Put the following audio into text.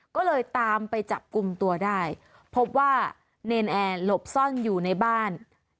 ก็เลยตามไปจับกลุ่มตัวได้พบว่าเนรนแอร์หลบซ่อนอยู่ในบ้าน